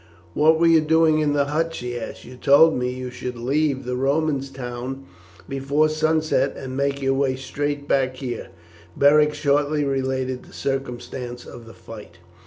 "What were you doing in the hut?" she asked. "You told me you should leave the Romans' town before sunset and make your way straight back here." Beric shortly related the circumstances of the fight.